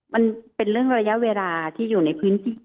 มันเป็นเรื่องระยะเวลาที่อยู่ในพื้นที่